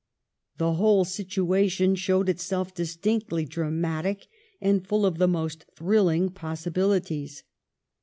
The whole situation showed itself distinctly dramatic and full of the most thrilling possibilities.